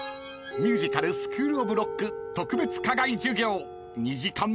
［『ミュージカルスクールオブロック特別課外授業』］